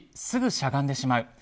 すぐしゃがんでしまう。